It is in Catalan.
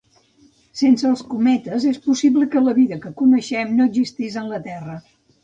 Sense els cometes és possible que la vida que coneixem no existís en la Terra.